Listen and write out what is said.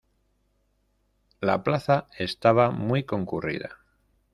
La plaza estaba muy concurrida